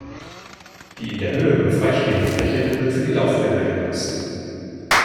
Die in der Höhe nun freistehende Fläche wird für die Laufbänder genutzt.